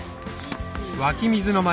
湧き水の街